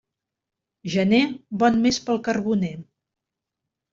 Gener, bon mes pel carboner.